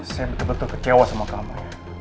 saya betul betul kecewa sama kamu